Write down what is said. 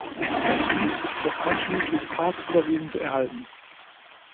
Das Gut ist noch einschließlich Park überwiegend erhalten.